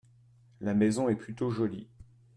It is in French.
La maison est plutôt jolie.